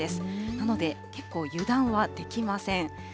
なので、結構油断はできません。